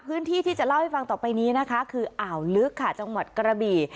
พื้นที่ที่จะเล่าให้ฟังต่อไปนี้นะคะคืออ่าวลึกค่ะจังหวัดกระบี่